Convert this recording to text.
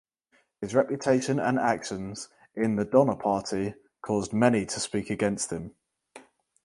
His reputation and actions in the Donner Party caused many to speak against him.